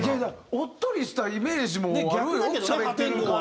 おっとりしたイメージもあるよしゃべってる感じだとね。